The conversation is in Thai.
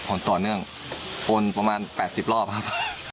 ต่อเนื่องโอนประมาณ๘๐รอบครับ